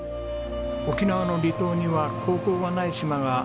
沖縄の離島には高校がない島がたくさんあります。